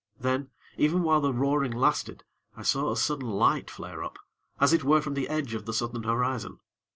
Then, even while the roaring lasted, I saw a sudden light flare up, as it were from the edge of the Southern horizon.